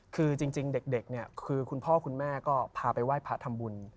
คือจริงเด็กเนี่ยคือคุณพ่อคุณแม่ก็พาไปไหว้พระทำบุญ